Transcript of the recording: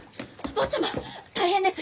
坊ちゃま大変です！